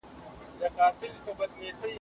کروندګرو له ډېر پخوا څخه پنبه کرلي ده.